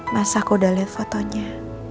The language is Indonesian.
mas aku udah liat fotonya